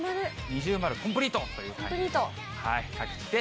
二重丸、コンプリートという感じで。